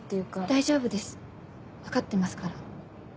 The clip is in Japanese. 大丈夫です分かってますから。